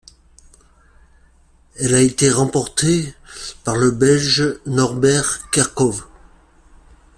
Elle a été remportée par le Belge Norbert Kerckhove.